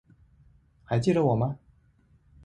还记得我吗？